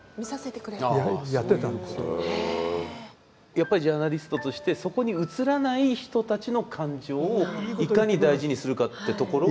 やっぱりジャーナリストとしてそこに映らない人たちの感情をいかに大事にするかってところが。